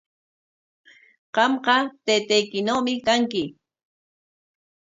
Qamqa taytaykinawmi kanki.